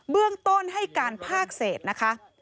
เบื้องต้นให้การภาคเศษนะคะ